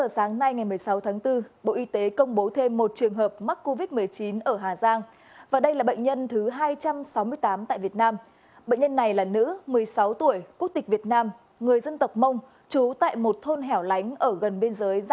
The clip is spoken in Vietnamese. xin chào và hẹn gặp lại